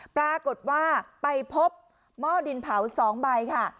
ปรากฏว่าไปพบมอดดินเผาสองใบค่ะ